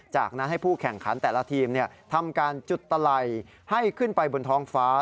จากนั้นให้ผู้แข่งขันแต่ละทีมทำการจุดตะไหล่ให้ขึ้นไปบนท้องฟ้า